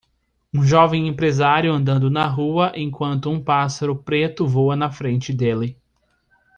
Um jovem empresário andando na rua, enquanto um pássaro preto voa na frente dele.